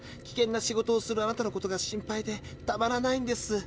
危険な仕事をするあなたのことが心配でたまらないんです」